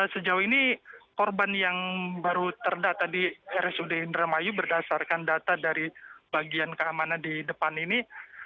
sejauh ini korban yang baru terdata di rsud indramayu berdasarkan data dari bagian keamanan di depan ini